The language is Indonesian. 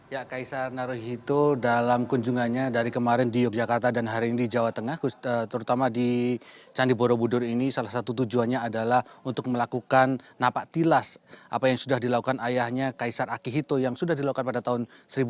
ya kaisar naruhito dalam kunjungannya dari kemarin di yogyakarta dan hari ini di jawa tengah terutama di candi borobudur ini salah satu tujuannya adalah untuk melakukan napak tilas apa yang sudah dilakukan ayahnya kaisar akihito yang sudah dilakukan pada tahun seribu sembilan ratus delapan puluh